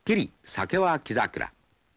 酒は黄桜。